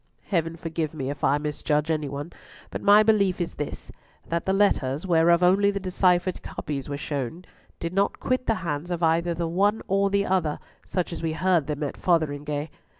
Heaven forgive me if I misjudge any one, but my belief is this—that the letters, whereof only the deciphered copies were shown, did not quit the hands of either the one or the other, such as we heard them at Fotheringhay.